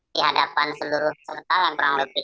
di hadapan seluruh peserta yang kurang lebih